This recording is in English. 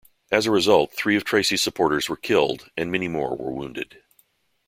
As a result, three of Tracey's supporters were killed and many more were wounded.